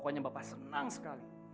pokoknya bapak senang sekali